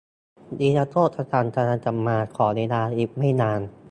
นิรโทษกำลังจะมา ขอเวลาอีกไม่นาน